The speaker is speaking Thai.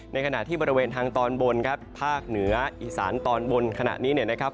ในขณะที่บริเวณทางตอนบนครับภาคเหนืออีสานตอนบนขณะนี้เนี่ยนะครับ